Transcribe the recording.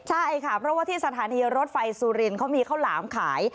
ใช่ค่ะเพราะว่าที่สถานีรถไฟสุรินทร์เขามีข้าวหลามขาย